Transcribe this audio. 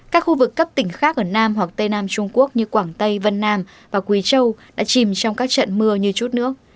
các khu vực cấp tỉnh khác ở nam hoặc tây nam trung quốc như quảng tây vân nam và quỳ châu đã chìm trong các trận mưa như chút nước